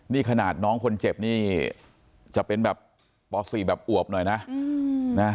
นี่ขนาดน้องคนเจ็บนี่จะเป็นแบบป๔แบบอวบหน่อยนะ